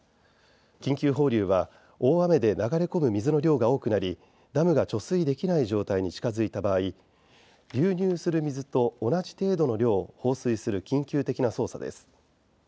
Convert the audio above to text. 緊急放流は大雨で流れ込む水の量が多くなりダムが貯水できない状態に近づいた場合流入する水と同じ程度の量を放水する緊急的な操作です。